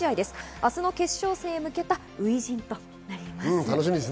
明日の決勝戦へ向けた初陣となります。